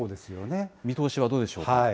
見通しはどうでしょうか。